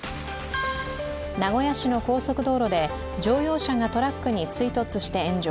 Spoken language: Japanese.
名古屋市の高速道路で乗用車がトラックに追突して炎上。